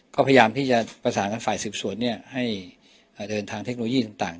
ก็พยายามที่จะประสานกับฝ่ายสืบสวนให้เดินทางเทคโนโลยีต่าง